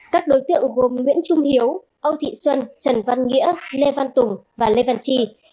các đối tượng gồm nguyễn trung hiếu âu thị xuân trần văn nghĩa lê văn tùng và lê văn tri